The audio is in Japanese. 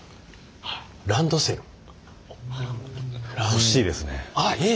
惜しいですね。